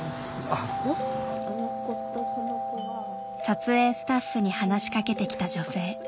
撮影スタッフに話しかけてきた女性。